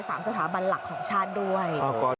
สามสถาบันหลักของชาติด้วย